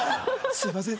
「すみません」。